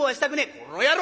「この野郎！」。